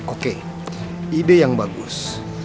oke ide yang bagus